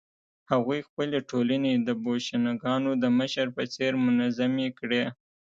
هغوی خپلې ټولنې د بوشونګانو د مشر په څېر منظمې کړې.